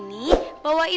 nanti aku bisa jalan jalan